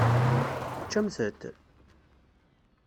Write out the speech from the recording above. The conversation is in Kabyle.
Teččamt-t?